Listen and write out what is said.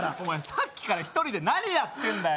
さっきから１人で何やってんだよ！